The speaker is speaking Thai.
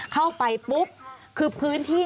สามารถรู้ได้เลยเหรอคะ